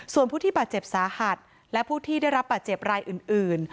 ส่วนผู้ที่บาดเจ็บสาหัสและผู้ที่ได้รับบาดเจ็บรายอื่น